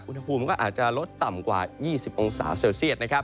อุณหภูมิก็อาจจะลดต่ำกว่า๒๐องศาเซลเซียต